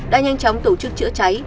đã nhanh chóng tổ chức chữa cháy